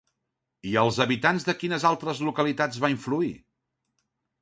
I als habitants de quines altres localitats va influir?